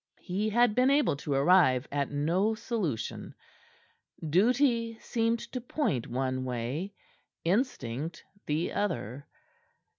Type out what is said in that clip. He had been able to arrive at no solution. Duty seemed to point one way; instinct the other.